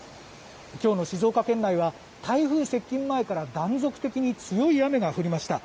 今日の静岡県内は台風接近前から断続的に強い雨が降りました。